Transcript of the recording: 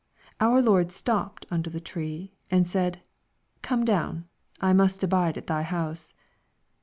Our Lord stopped under the tree, and said " Come down, I must abide at thy house."